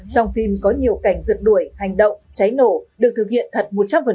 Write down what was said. trong phim có nhiều cảnh rượt đuổi hành động cháy nổ được thực hiện thật một trăm linh